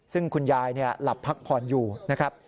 ซึ่งคุณยายหลับพักผ่อนอยู่นะครับ